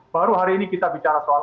baru hari ini kita bicara soal